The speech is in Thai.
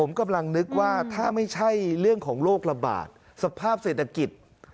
ผมกำลังนึกว่าถ้าไม่ใช่เรื่องของโรคระบาดสภาพเศรษฐกิจ